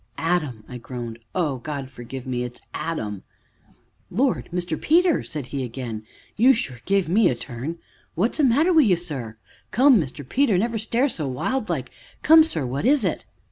"Adam!" I groaned. "Oh, God forgive me, it's Adam!" "Lord! Mr. Peter," said he again, "you sure give me a turn, Sir! But what's the matter wi' you, sir? Come, Mr. Peter, never stare so wild like come, sir, what is it?"